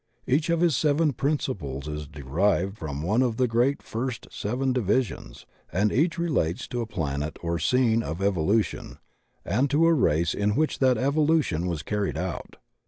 Each of his seven principles is derived 22 THE OCEAN OF THEOSOPHY from one of the great first seven divisions, and each relates to a planet or scene of evolution, and to a race in which that evolution was carried out.